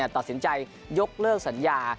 ตัดสินใจยกเลิกสัญญา